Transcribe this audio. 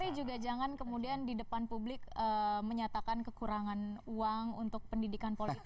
tapi juga jangan kemudian di depan publik menyatakan kekurangan uang untuk pendidikan politik